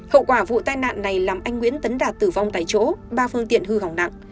hậu quả vụ tai nạn này làm anh nguyễn tấn đạt tử vong tại chỗ ba phương tiện hư hỏng nặng